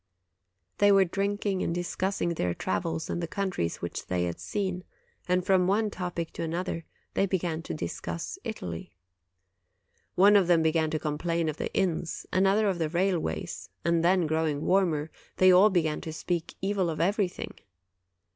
'They were drinking and discussing their travels and the countries which they had seen ; and from one topic to another they began to discuss Italy. One of them began to complain of the inns, another of the railways, and then, growing warmer, they all began to speak evil of everything.